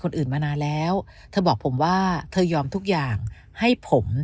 คนอื่นมานานแล้วเธอบอกผมว่าเธอยอมทุกอย่างให้ผม